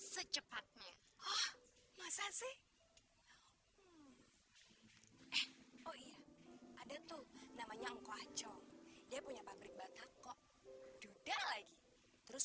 secepatnya oh masa sih oh iya ada tuh namanya kacau dia punya pabrik batako juga lagi terus